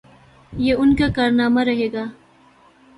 یہ ان کا کارنامہ رہے گا۔